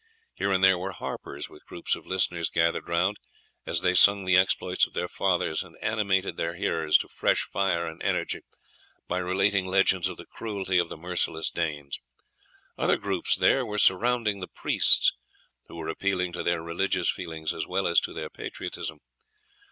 Here and there were harpers with groups of listeners gathered round, as they sung the exploits of their fathers, and animated their hearers to fresh fire and energy by relating legends of the cruelty of the merciless Danes. Other groups there were surrounding the priests, who were appealing to their religious feelings as well as to their patriotism.